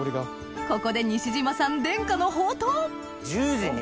ここで西島さん伝家の宝刀十字に？